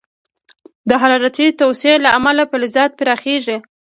د حرارتي توسعې له امله فلزات پراخېږي.